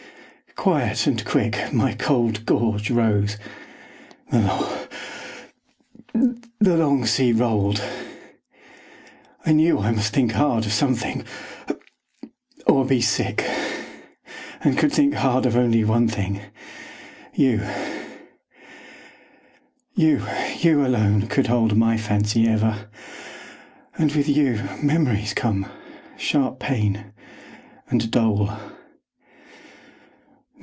Quiet and quick My cold gorge rose; the long sea rolled; I knew I must think hard of something, or be sick; And could think hard of only one thing YOU! You, you alone could hold my fancy ever! And with you memories come, sharp pain, and dole.